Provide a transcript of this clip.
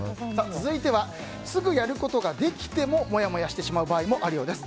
続いてはすぐやることができてもモヤモヤしてしまう場合もあるようです。